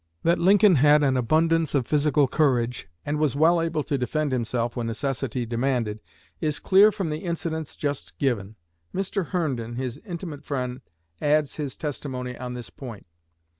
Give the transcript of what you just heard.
That Lincoln had an abundance of physical courage, and was well able to defend himself when necessity demanded, is clear from the incidents just given. Mr. Herndon, his intimate friend, adds his testimony on this point.